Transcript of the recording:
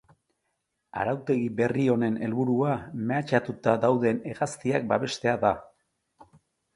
Arautegi berri honen helburua mehatxatuta dauden hegaztiak babestea da.